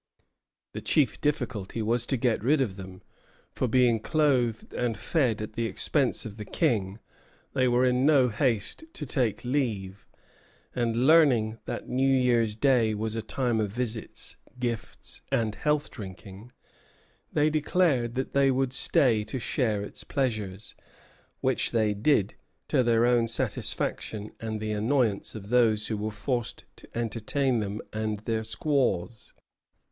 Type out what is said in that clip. The chief difficulty was to get rid of them; for, being clothed and fed at the expense of the King, they were in no haste to take leave; and learning that New Year's Day was a time of visits, gifts, and health drinking, they declared that they would stay to share its pleasures; which they did, to their own satisfaction and the annoyance of those who were forced to entertain them and their squaws.